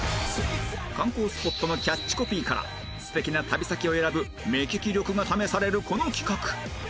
観光スポットのキャッチコピーから素敵な旅先を選ぶ目利き力が試されるこの企画